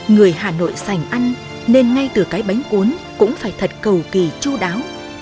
người hà nội sành ăn nên ngay từ cái bánh cuốn cũng phải thật cầu kỳ chú đáo